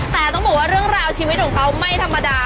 แต่ต้องบอกว่าเรื่องราวชีวิตของเขาไม่ธรรมดา